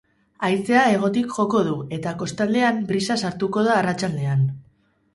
Haizea hegotik joko du, eta kostaldean, brisa sartuko da arratsaldean.